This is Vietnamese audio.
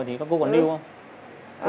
thì các cô còn lưu không